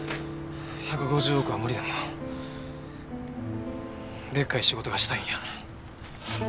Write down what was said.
１５０億は無理でもでっかい仕事がしたいんや。